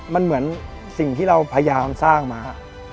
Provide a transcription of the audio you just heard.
มันเหมือนสิ่งที่เราพยายามสร้างมา